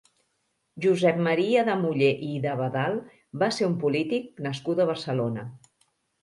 Josep Maria de Muller i d'Abadal va ser un polític nascut a Barcelona.